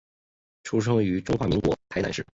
出生于中华民国台南市。